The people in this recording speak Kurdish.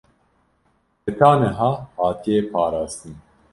heta niha hatiye parastin